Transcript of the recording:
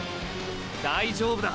大丈夫だ！